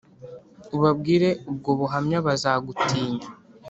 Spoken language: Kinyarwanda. Ubabwire ubwo buhamya bazagutinya